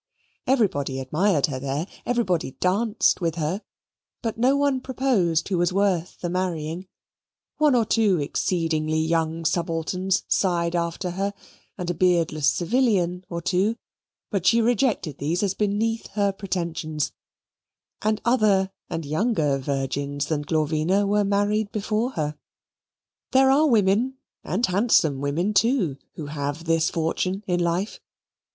Everybody admired her there; everybody danced with her; but no one proposed who was worth the marrying one or two exceedingly young subalterns sighed after her, and a beardless civilian or two, but she rejected these as beneath her pretensions and other and younger virgins than Glorvina were married before her. There are women, and handsome women too, who have this fortune in life.